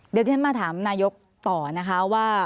เดี๋ยวที่ฉันมาถามนายกต่อนะคะว่า